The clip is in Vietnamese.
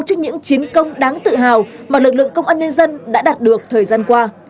trước những chiến công đáng tự hào mà lực lượng công an nhân dân đã đạt được thời gian qua